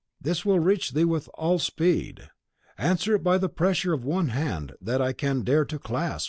This will reach thee with all speed. Answer it by the pressure of one hand that I can dare to clasp!